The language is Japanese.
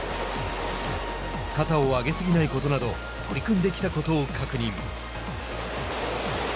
肩を上げ過ぎないことなど取り組んできたことを確認。